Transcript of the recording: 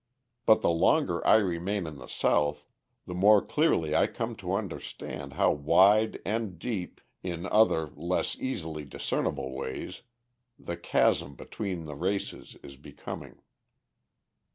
But the longer I remain in the South, the more clearly I come to understand how wide and deep, in other, less easily discernible ways, the chasm between the races is becoming.